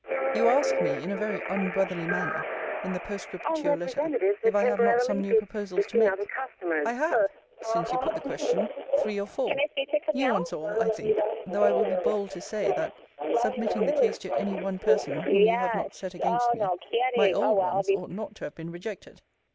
You ask me, in a very unbrotherly manner, in the postscript to your letter, if I have not some new proposals to make? I HAVE (since you put the question) three or four; new ones all, I think; though I will be bold to say, that, submitting the case to any one person whom you have not set against me, my old ones ought not to have been rejected.